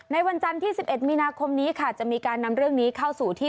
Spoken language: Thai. วันจันทร์ที่๑๑มีนาคมนี้ค่ะจะมีการนำเรื่องนี้เข้าสู่ที่